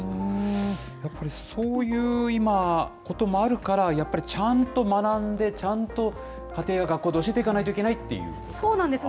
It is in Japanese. そういう今、こともあるから、やっぱりちゃんと学んで、ちゃんと家庭や学校で教えていかないといけないということですか。